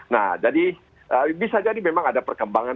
nah jadi bisa jadi memang ada perkembangan